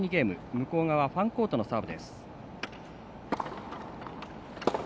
向こう側、ファンコートのサーブ。